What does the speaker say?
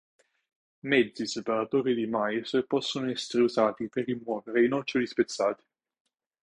Mezzi separatori di mais possono essere usati per rimuovere i noccioli spezzati.